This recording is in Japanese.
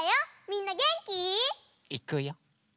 みんなげんき？いくよ。